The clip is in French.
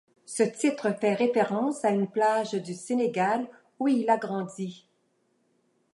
Ce titre fait référence à une plage du Sénégal, où il a grandi.